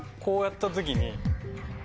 こうやった時に。